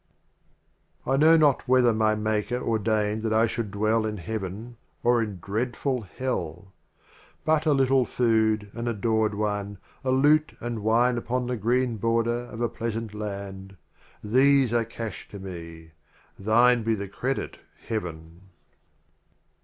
XIII A. I know not whether my Maker Ordained that I should dwell in Heaven or in dreadful Hell ; But a little Food, an Adored One, a Lute, and Wine upon the green border of a pleasant land, — These are Cash to me, — thine be the Credit Heaven.